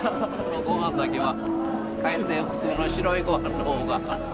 ごはんだけはかえって普通の白いごはんの方が。